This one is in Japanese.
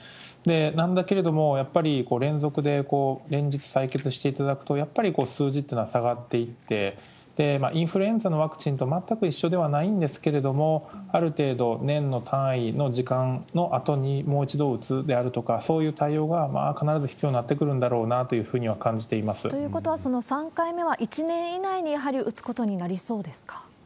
なんだけれども、やっぱり連続で連日採血していただくと、やっぱり数字っていうのは下がっていって、インフルエンザのワクチンと全く一緒ではないんですけれども、ある程度年の単位の時間のあとにもう一度打つであるとか、そういう対応が必ず必要になってくるんだろうなというふうには感ということは、その３回目は１年後に打つことになりそうですか？